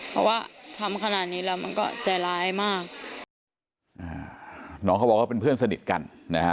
เพราะว่าทำขนาดนี้แล้วมันก็ใจร้ายมากอ่าน้องเขาบอกว่าเป็นเพื่อนสนิทกันนะฮะ